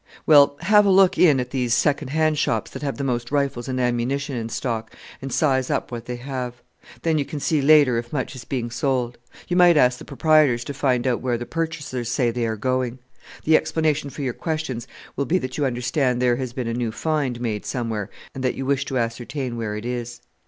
"Well, have a look in at these second hand shops that have the most rifles and ammunition in stock, and size up what they have. Then you can see later if much is being sold. You might ask the proprietors to find out where the purchasers say they are going. The explanation for your questions will be that you understand there has been a new find made somewhere, and that you wish to ascertain where it is."